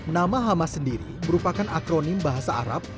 nama hamas sendiri merupakan akronim bahasa arab